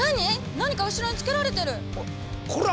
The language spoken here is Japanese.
何か後ろに付けられてる！こら！